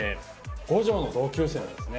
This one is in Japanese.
五条の同級生のですね